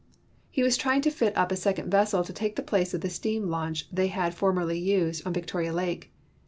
He was trying to fit up a second vessel to take the place of the steam launch they had for merly used on Victoria Lake.